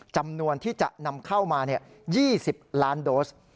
จำนวนที่จะนำเข้ามา๒๐ล้านโดส